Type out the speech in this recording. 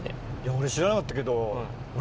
俺知らなかったけど。